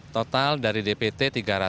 total dari dpt tiga ratus